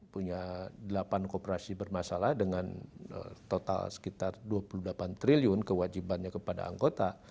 punya delapan kooperasi bermasalah dengan total sekitar dua puluh delapan triliun kewajibannya kepada anggota